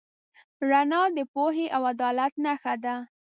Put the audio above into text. رڼا د پوهې او عدالت نښه ده.